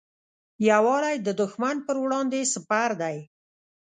یووالی د دښمن پر وړاندې سپر دی.